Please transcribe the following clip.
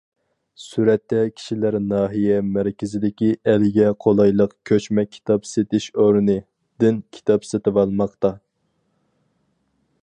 سۈرەتتە: كىشىلەر ناھىيە مەركىزىدىكى« ئەلگە قولايلىق كۆچمە كىتاب سېتىش ئورنى» دىن كىتاب سېتىۋالماقتا.